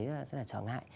rất là chóng hại